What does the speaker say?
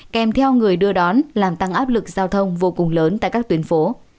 kèm theo người đưa đón làm tăng áp lực giao thông vô cùng lớn tại các tuyến phố